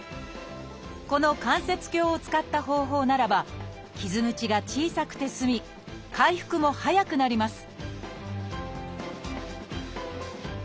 この関節鏡を使った方法ならば傷口が小さくて済み回復も早くなります